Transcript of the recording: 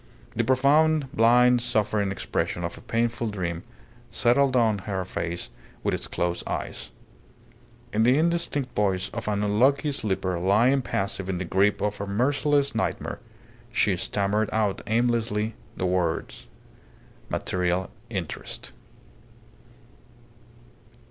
The profound, blind, suffering expression of a painful dream settled on her face with its closed eyes. In the indistinct voice of an unlucky sleeper lying passive in the grip of a merciless nightmare, she stammered out aimlessly the words "Material interest."